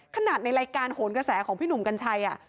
ในรายการโหนกระแสของพี่หนุ่มกัญชัย